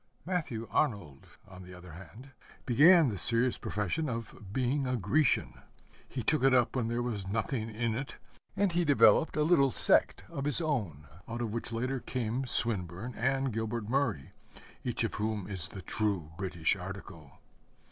Matthew Arnold, on the other hand, began the serious profession of being a Grecian. He took it up when there was nothing in it, and he developed a little sect of his own, out of which later came Swinburne and Gilbert Murray, each of whom is the true British article.